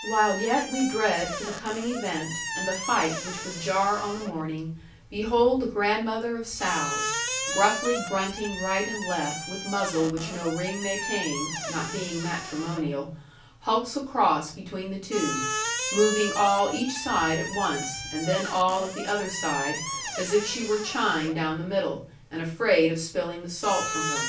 While yet we dread for the coming event, and the fight which would jar on the morning, behold the grandmother of sows, gruffly grunting right and left with muzzle which no ring may tame (not being matrimonial), hulks across between the two, moving all each side at once, and then all of the other side as if she were chined down the middle, and afraid of spilling the salt from her.